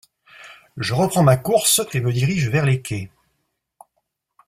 Je reprends ma course et me dirige vers les quais.